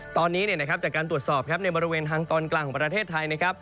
ตอนนี้จากการตรวจสอบครับในบริเวณทางตอนกลางของประเทศไทยนะครับ